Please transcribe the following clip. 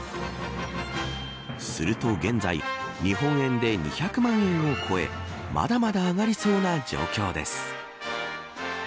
すると現在日本円で２００万円を超えまだまだ上がりそうな状況です。